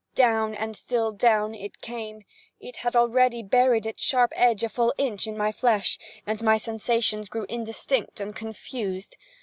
Down and still down, it came. It had already buried its sharp edge a full inch in my flesh, and my sensations grew indistinct and confused.